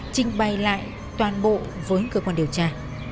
trình bày lại toàn bộ với cơ quan điều tra